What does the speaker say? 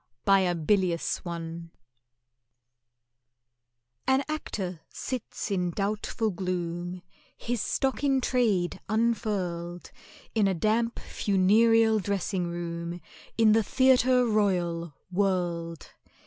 BY A BILIOUS ONE AN Actor sits in doubtful gloom, His stock in trade unfurled, In a damp funereal dressing room In the Theatre Royal, World.